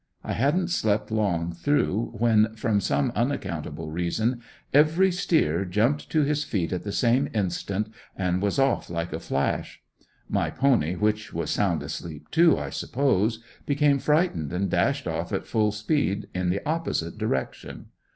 I hadn't slept long though when, from some unaccountable reason, every steer jumped to his feet at the same instant and was off like a flash. My pony which was sound asleep too, I suppose, became frightened and dashed off at full speed in the opposite direction.